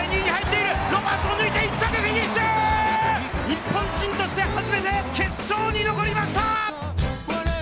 日本人として初めて決勝に残りました！